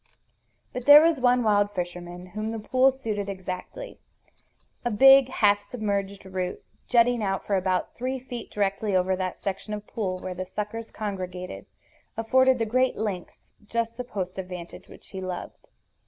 But there was one wild fisherman whom the pool suited exactly. A big half submerged root, jutting out for about three feet directly over that section of the pool where the suckers congregated, afforded the great lynx just the post of vantage which he loved.